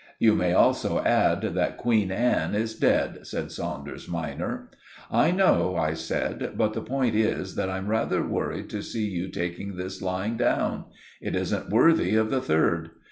"You may also add that Queen Anne is dead," said Saunders minor. "I know," I said. "But the point is that I'm rather worried to see you taking this lying down. It isn't worthy of the third.